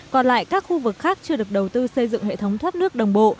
còn lại các khu vực khác chưa được đầu tư xây dựng hệ thống thoát nước đồng bộ